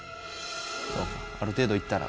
ある程度いったら。